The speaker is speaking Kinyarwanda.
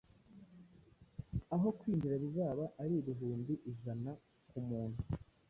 aho kwinjira bizaba ari ibihumbi ijana ku muntu...: